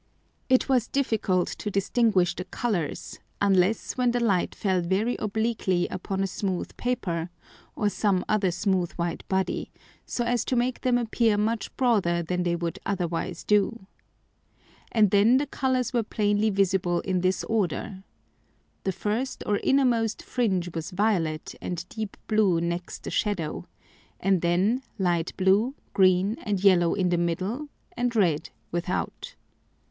It was difficult to distinguish the Colours, unless when the Light fell very obliquely upon a smooth Paper, or some other smooth white Body, so as to make them appear much broader than they would otherwise do. And then the Colours were plainly visible in this Order: The first or innermost Fringe was violet and deep blue next the Shadow, and then light blue, green, and yellow in the middle, and red without.